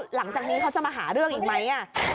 หลังจากนี้เขาจะมาหาเรื่องอีกไหม